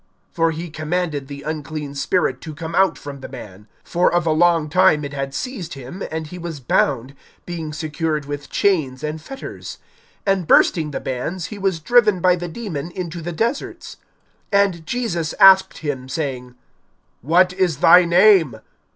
(29)For he commanded the unclean spirit to come out from the man. For of a long time it had seized him, and he was bound, being secured with chains and fetters; and bursting the bands, he was driven by the demon into the deserts. (30)And Jesus asked him, saying: What is thy name?